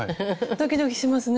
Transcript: ドキドキしますね。